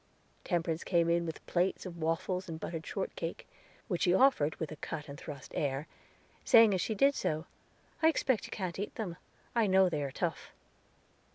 Temperance came in with plates of waffles and buttered shortcake, which she offered with a cut and thrust air, saying, as she did so, "I expect you can't eat them; I know they are tough."